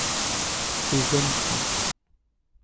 ces jaunes-ci.